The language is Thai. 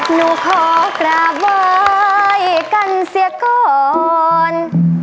หนูขอกราบไหว้กันเสียก่อน